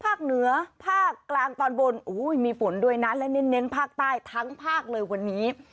ภาคเหนือภาคกลางตอนบนมีฝนด้วยนะและเน้นภาคใต้ทั้งภาคเลยวันนี้